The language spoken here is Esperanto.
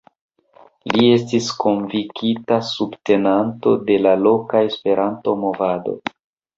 Li estis konvinkita subtenanto de la loka Esperanto-movado.